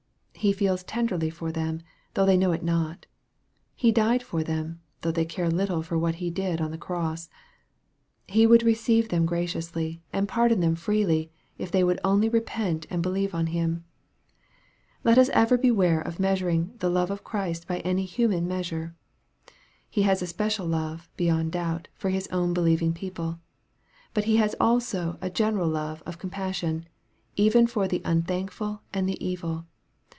He feels tenderly for them, though they know it not. He died for them, though they care little for what He did on the cross. He would receive them graciously, and pardon them freely, if they would only repent and believe on Him. Let us ever beware of measuring the love of Christ by any human measure. He has a special love, beyond doubt, for His own believ ing people. But He has also a general love of compas sion, even for the unthankful and the evil.